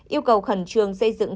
yêu cầu khẩn trương xây dựng